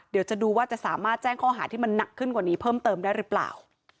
เดี๋ยวจะดูว่าจะสามารถแจ้งข้อหาที่มันหนักขึ้นกว่านี้เพิ่มเติมได้หรือเปล่า